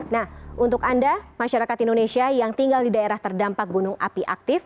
nah untuk anda masyarakat indonesia yang tinggal di daerah terdampak gunung api aktif